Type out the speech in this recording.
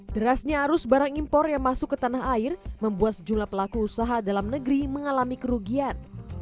derasnya arus barang impor yang masuk ke tanah air membuat sejumlah pelaku usaha dalam negeri mengalami kerugian